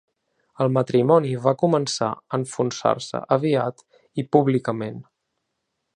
El matrimoni va començar a enfonsar-se aviat i públicament.